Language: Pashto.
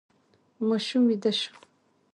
ماشوم ویده شو.